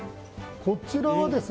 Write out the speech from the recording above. こちらはですね